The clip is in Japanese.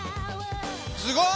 すごい！